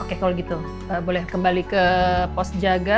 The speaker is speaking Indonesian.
oke kalau gitu boleh kembali ke pos jaga